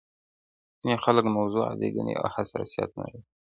ځيني خلک موضوع عادي ګڼي او حساسيت نه لري,